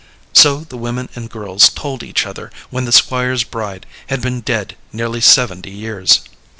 So the women and girls told each other when the Squire's bride had been dead nearly seventy years.